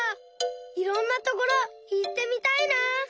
いろんなところいってみたいな！